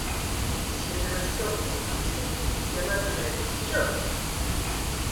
Si Adamastor lui apparaissait, le gamin dirait : Tiens !